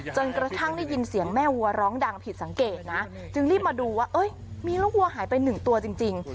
จนกระทั่งได้ยินเสียงแม่วัวร้องดังผิดสังเกตนะจึงรีบมาดูว่ามีลูกวัวหายไปหนึ่งตัวจริง